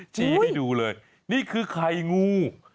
ชี้ให้ดูเลยนี่คือไข่งู